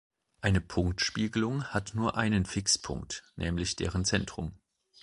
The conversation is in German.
Eine Punktspiegelung hat nur einen Fixpunkt, nämlich deren Zentrum.